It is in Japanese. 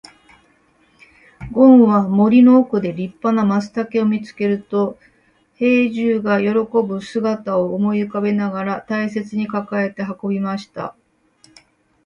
ごんは森の奥で立派な松茸を見つけると、兵十が喜ぶ姿を思い浮かべながら大切に抱えて運びました。